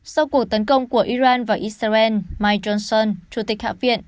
sau cuộc tấn công của iran và israel mike johnson chủ tịch hạ viện